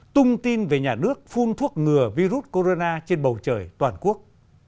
tung tin về nhà nước phun thuốc ngừa virus corona trên bầu trời toàn quốc